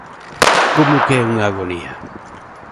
¿Como que é unha agonía?